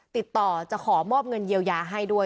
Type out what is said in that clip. ติดต่อจะขอมอบเงินเยียวยาให้ด้วย